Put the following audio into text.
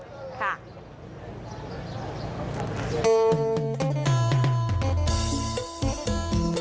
ค่ะ